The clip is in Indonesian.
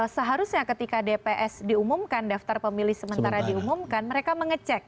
seharusnya ketika dps diumumkan daftar pemilih sementara diumumkan mereka mengecek